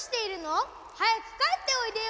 はやくかえっておいでよ。